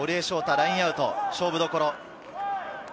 ラインアウト、勝負どころ。